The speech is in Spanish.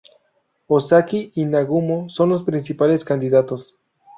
Ozaki y Nagumo son los principales candidatos.